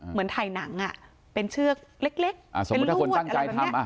เหมือนถ่ายหนังอ่ะเป็นเชือกเล็กเล็กอ่าสมมุติถ้าคนตั้งใจทำอ่ะ